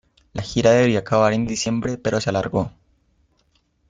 La gira debía acabar en diciembre pero se alargó.